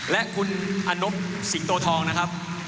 และคุณอารมณพศิกตโทษทองนะครับ